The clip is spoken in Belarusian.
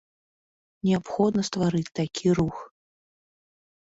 Неабходна стварыць такі рух.